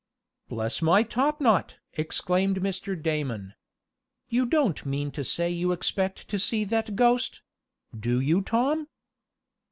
"Bless my topknot!" exclaimed Mr. Damon. "You don't mean to say you expect to see that ghost; do you Tom?"